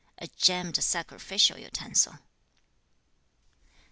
'A gemmed sacrificial utensil.'